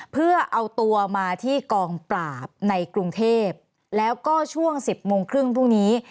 เพื่อเอาตัวมาที่กองปราบในกรุงเทพแล้วก็ช่วง๑๐โมงครึ่งพรุ่งนี้